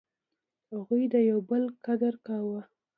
هغوی د یو بل قدر کاوه.